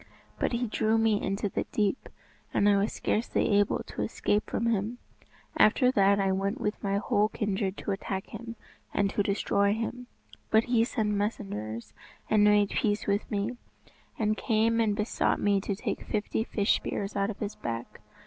But he drew me into the deep, and I was scarcely able to escape from him. After that I went with my whole kindred to attack him, and to try to destroy him, but he sent messengers and made peace with me, and came and besought me to take fifty fish spears out of his back.